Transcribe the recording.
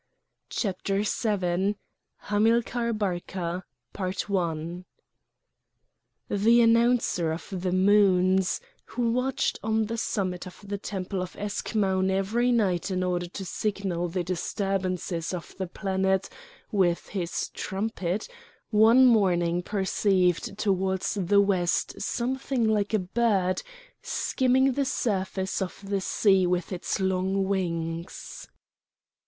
CHAPTER VII HAMILCAR BARCA The Announcer of the Moons, who watched on the summit of the temple of Eschmoun every night in order to signal the disturbances of the planet with his trumpet, one morning perceived towards the west something like a bird skimming the surface of the sea with its long wings.